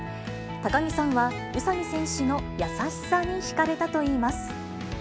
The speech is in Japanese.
高城さんは宇佐見選手の優しさにひかれたといいます。